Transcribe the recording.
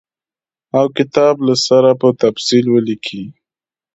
او کتاب له سره په تفصیل ولیکي.